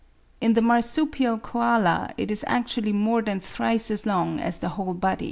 In the marsupial koala it is actually more than thrice as long as the whole body.